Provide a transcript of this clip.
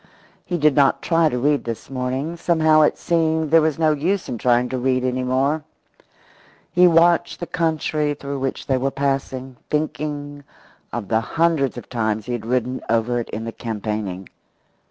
He did not try to read this morning; somehow it seemed there was no use in trying to read any more. He watched the country through which they were passing, thinking of the hundreds of times he had ridden over it in campaigning.